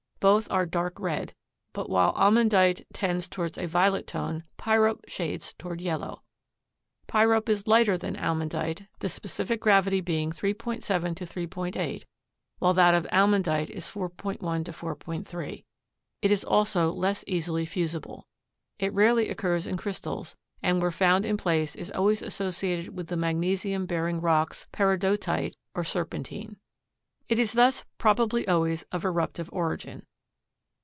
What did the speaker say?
Both are dark red, but while almandite tends toward a violet tone, pyrope shades toward yellow. Pyrope is lighter than almandite, the specific gravity being 3.7 to 3.8, while that of almandite is 4.1 to 4.3. It is also less easily fusible. It rarely occurs in crystals, and where found in place is always associated with the magnesium bearing rocks, peridotite or serpentine. It is thus probably always of eruptive origin.